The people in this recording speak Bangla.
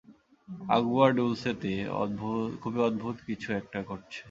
আগুয়া ডুলসে-তে খুবই অদ্ভুত কিছু একটা ঘটছে।